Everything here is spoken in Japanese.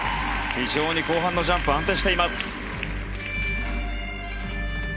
非常に後半のジャンプ安定しています。